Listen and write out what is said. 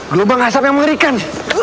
gelombang asap yang mengerikan